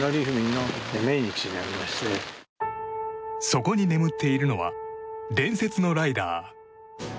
そこに眠っているのは伝説のライダー。